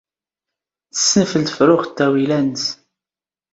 ⵜⵙⵙⵏⴼⵍ ⵜⴼⵔⵓⵅⵜ ⵜⴰⵡⵉⵍⴰ ⵏⵏⵙ.